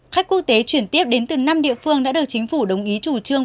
khách quốc tế chuyển tiếp đến từ năm địa phương đã được chính phủ đồng ý chủ trương